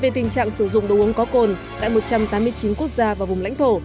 về tình trạng sử dụng đồ uống có cồn tại một trăm tám mươi chín quốc gia và vùng lãnh thổ